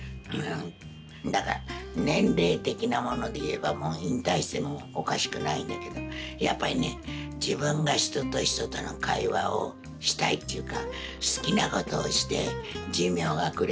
だから年齢的なものでいえばもう引退してもおかしくないんだけどやっぱりね自分が人と人との会話をしたいっていうか好きなことをして寿命がくれば逝きます。